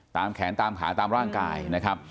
ตามแขนตามขาตามร่างกายนะครับ